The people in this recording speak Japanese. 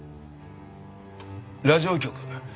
ラジオ局。